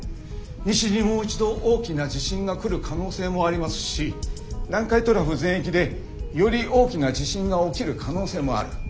西にもう一度大きな地震が来る可能性もありますし南海トラフ全域でより大きな地震が起きる可能性もある。